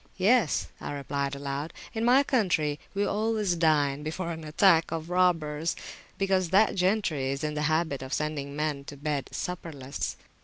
Yes, I replied aloud, in my country we always dine before an attack of robbers, because that gentry is in the habit of sending men to bed supperless.